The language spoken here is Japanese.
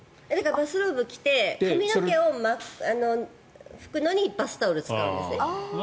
バスローブを着て髪の毛を拭くのにバスタオルを使うんですね。